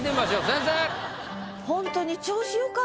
先生！